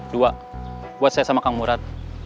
dua buat saya sama kang murad